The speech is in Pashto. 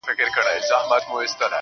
خو زه به بیا هم تر لمني انسان و نه نیسم.